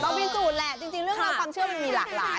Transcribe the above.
พิสูจน์แหละจริงเรื่องราวความเชื่อมันมีหลากหลาย